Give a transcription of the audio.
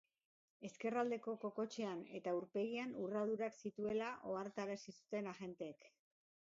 Ezkerraldeko kokotsean eta aurpegian urradurak zituela ohartarazi zuten agenteek.